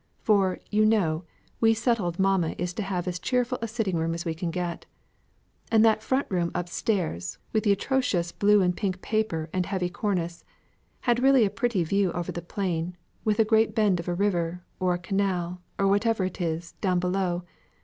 for you know, we settled mamma is to have as cheerful a sitting room as we can get; and that front room up stairs, with the atrocious blue and pink paper and heavy cornice, had really a pretty view over the plain, with a great bend of river, or canal, or whatever it is, down below.